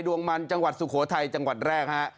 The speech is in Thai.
ดวงมันจังหวัดสุโขทัยจังหวัดแรกฮะ